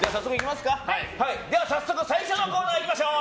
早速最初のコーナー行きましょう。